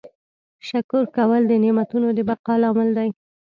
شکر کول د نعمتونو د بقا لامل دی.